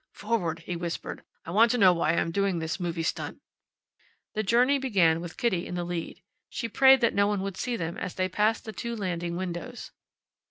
"Forward!" he whispered. "I want to know why I am doing this movie stunt." The journey began with Kitty in the lead. She prayed that no one would see them as they passed the two landing windows.